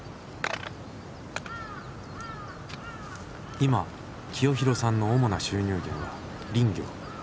今清弘さんの主な収入源は林業。